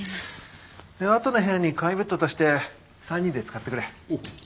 であとの部屋に簡易ベッド足して３人で使ってくれ。